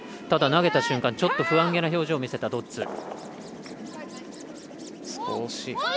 ただ、投げた瞬間不安げな表情を見せたドッズ。